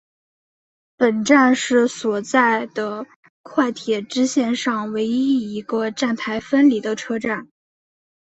本站是所在的快铁支线上唯一一个站台分离的车站。